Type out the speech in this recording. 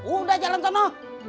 udah jalan tono